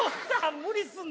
無理すんな。